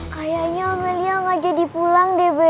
kayaknya amalia gak jadi pulang deh be